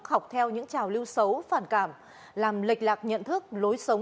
học theo những trào lưu xấu phản cảm làm lệch lạc nhận thức lối sống